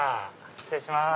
失礼します。